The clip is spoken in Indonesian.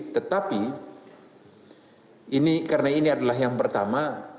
tetapi ini karena ini adalah yang pertama